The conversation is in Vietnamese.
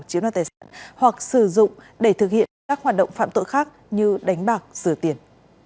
chiếm đoạt tài sản hoặc sử dụng để thực hiện các hoạt động phạm tội khác như đánh bạc rửa tiền